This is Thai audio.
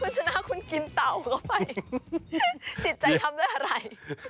คุณชนะคุณกินเต่าเข้าไปติดใจทำด้วยอะไร